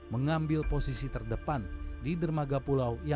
yang lagi m mesti nyuari olahraga sayanya